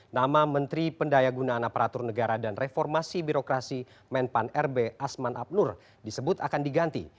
nama menteri pendaya gunaan aparatur negara dan reformasi birokrasi menpan rb asman abnur disebut akan diganti